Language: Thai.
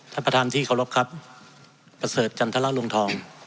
ท่านประธานที่เคารพครับประเสริฐจันทรลวงทอง